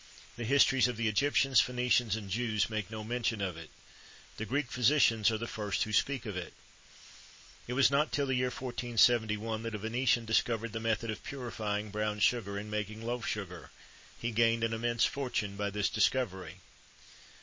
The histories of the Egyptians, Phœnicians, and Jews, make no mention of it. The Greek physicians are the first who speak of it. It was not till the year 1471 that a Venetian discovered the method of purifying brown sugar and making loaf sugar. He gained an immense fortune by this discovery.